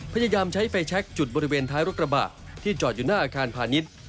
พยายามใช้ไฟแชคจุดบริเวณท้ายรถกระบะที่จอดอยู่หน้าอาคารพาณิชย์